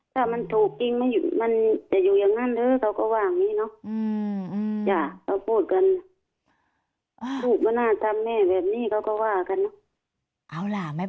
ถ้ามันถูกจริงไม่อยู่มันจะอยู่อย่างนั้นด้วยเขาก็ว่าอย่างนี้เนอะอืมอืม